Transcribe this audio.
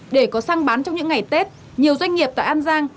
để có săn bán trong những ngày tết nhiều doanh nghiệp tại an giang